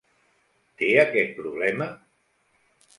Té aquest problema?